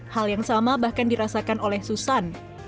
hal yang sama bahkan dirasakan oleh susan